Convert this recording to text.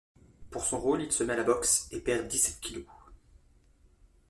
Pour son rôle il se met à la boxe et perd dix-sept kilos.